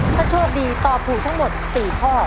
ถ้าโชคดีตอบถูกทั้งหมด๔ข้อ